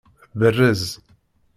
Berrez.